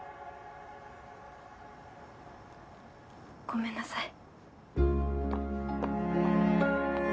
ごめんなさい。